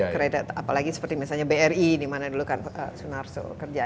kredit apalagi seperti misalnya bri di mana dulu kan sunarso kerja